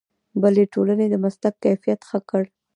بلې ټولنې د مسلک کیفیت ښه کړ.